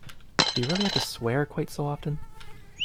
Do you really have to swear quite so often?